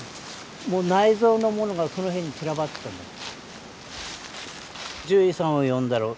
もう内臓のものがその辺に散らばってたもん。